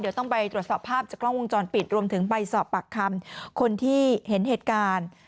เดี๋ยวต้องไปตรวจสอบภาพจากกล้องวงจรปิดรวมถึงไปสอบปากคำคนที่เห็นเหตุการณ์